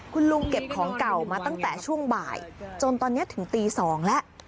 คุณลุงเก็บของเก่ามาตั้งแต่ช่วงบ่ายจนตอนนี้ถึงตี๒แล้ว